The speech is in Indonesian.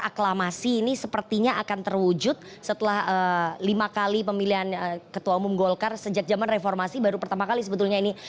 aklamasi ini sepertinya akan terwujud setelah lima kali pemilihan ketua umum golkar sejak zaman reformasi baru pertama kali sebetulnya ini